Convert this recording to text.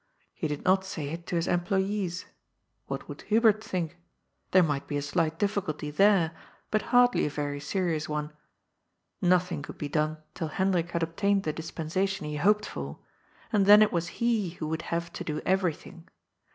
He did not say it to his employes. What would Hubert think? There might be a slight difficulty there, but hardly a Tory serious one. Nothing could be done till Hendrik had obtained the dis pensation he hoped for, and then it was he who would haTe to do eTerything.